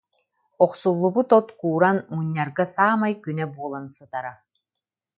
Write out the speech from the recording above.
Охсуллубут от кууран, мунньарга саамай күнэ буолан сытара